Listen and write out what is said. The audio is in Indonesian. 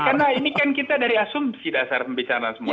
karena ini kan kita dari asumsi dasar pembicaraan semua